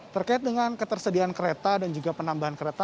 terkait dengan ketersediaan kereta dan juga penambahan kereta